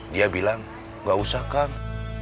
dia bilang gak usah kang